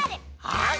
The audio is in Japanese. はい！